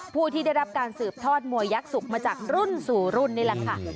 ผู้ที่ได้รับการสืบทอดมวยยักษุกมาจากรุ่นสู่รุ่นนี่แหละค่ะ